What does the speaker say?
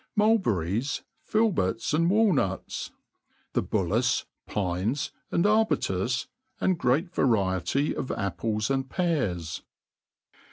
Mulberries, filberts, and walnuts. The bul laeV, pines, and arbutas ; and great variety of apples and pears.